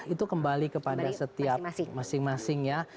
itu kembali kepada setiap masing masing ya